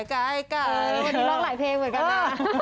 วันนี้ร้องไหล่เพลงกันนะ